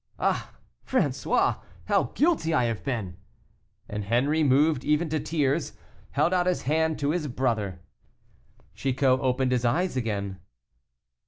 Ah! François, how guilty I have been." And Henri, moved even to tears, held out his hand to his brother. Chicot opened his eyes again.